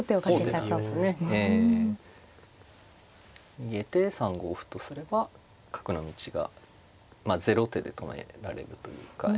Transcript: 逃げて３五歩とすれば角の道がまあゼロ手で止められるというか。